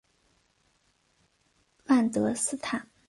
万德斯坦。